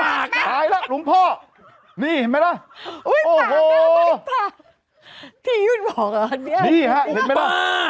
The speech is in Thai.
หลุงพ่อนี่เห็นไหมล่ะโอ้โหที่ยุทธ์บอกหรอนี่ฮะเห็นไหมล่ะ